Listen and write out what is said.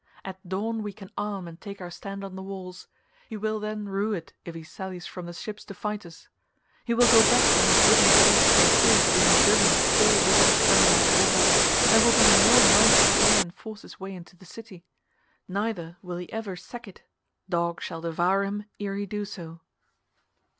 At dawn we can arm and take our stand on the walls; he will then rue it if he sallies from the ships to fight us. He will go back when he has given his horses their fill of being driven all whithers under our walls, and will be in no mind to try and force his way into the city. Neither will he ever sack it, dogs shall devour him ere he do so."